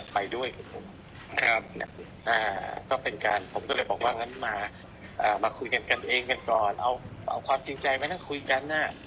ผมก็เลยบอกว่ามาคุยกันกันเองกันก่อนเอาความจริงใจไม่ต้องคุยกัน